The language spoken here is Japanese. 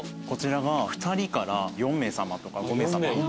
こちらが２人から４名さまとか５名さま。